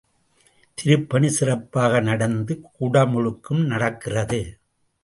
திருப்பணி சிறப்பாக நடந்து குடமுழுக்கும் நடக்கிறது.